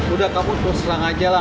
udah kamu terus terang aja lah